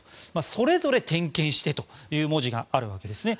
それぞれ点検してという文字があるわけですね。